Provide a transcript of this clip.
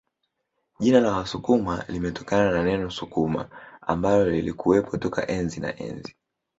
Jina la Wasukuma limetokana na neno Sukuma ambalo lilikuwepo toka enzi na enzi